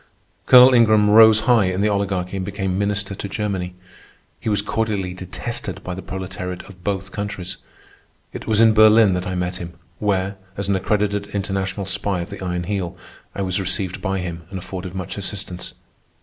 Colonel Ingram rose high in the Oligarchy and became Minister to Germany. He was cordially detested by the proletariat of both countries. It was in Berlin that I met him, where, as an accredited international spy of the Iron Heel, I was received by him and afforded much assistance.